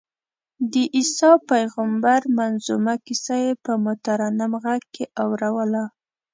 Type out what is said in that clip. د عیسی پېغمبر منظمومه کیسه یې په مترنم غږ کې اورووله.